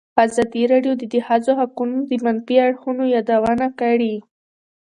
ازادي راډیو د د ښځو حقونه د منفي اړخونو یادونه کړې.